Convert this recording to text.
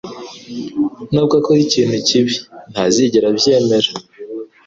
Nubwo akora ikintu kibi, ntazigera abyemera.